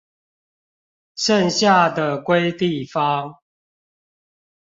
剩下的歸地方